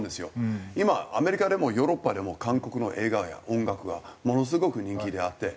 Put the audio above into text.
今アメリカでもヨーロッパでも韓国の映画や音楽はものすごく人気であって。